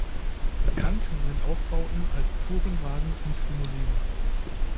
Bekannt sind Aufbauten als Tourenwagen und Limousine.